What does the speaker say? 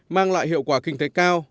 mang lại hiệu quả kinh tế cao